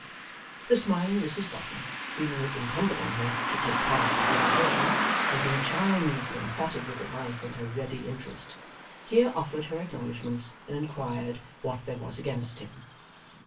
The smiling Mrs Boffin, feeling it incumbent on her to take part in the conversation, and being charmed with the emphatic little wife and her ready interest, here offered her acknowledgments and inquired what there was against him?